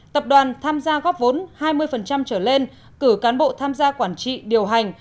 tập đoàn tham gia góp vốn hai mươi trở lên cử cán bộ tham gia quản trị điều hành